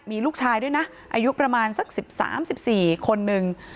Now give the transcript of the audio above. มีลูกชายด้วยนะอายุประมาณสัก๑๓๑๔คนนึง